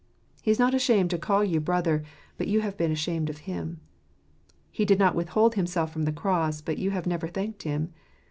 He is not ashamed to call you brother; but you have been ashamed of Him. He did not withhold Himself from the cross ; but you have never thanked Him.